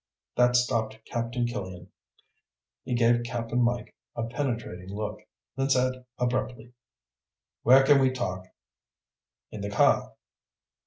That stopped Captain Killian. He gave Cap'n Mike a penetrating look, then said abruptly, "Where can we talk?" "In the car."